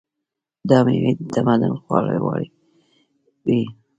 دا مېوې د تمدن خوږوالی و.